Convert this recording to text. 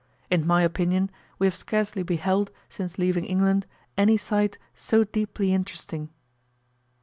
In my opinion, we have scarcely beheld, since leaving England, any sight so deeply interesting.